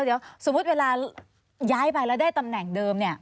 เดี๋ยวสมมุติเวลาย้ายไปแล้วได้ตำแหน่งเดิมเนี่ย